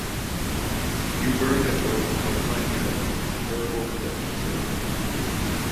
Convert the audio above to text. You burn the toast, I'll smite you down with my terrible swift sword.